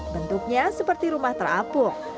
bentuknya seperti rumah terapung